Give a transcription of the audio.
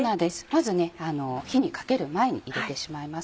まず火にかける前に入れてしまいます。